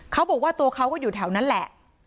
เขาบอกว่าตัวเขาก็อยู่แถวนั้นแหละ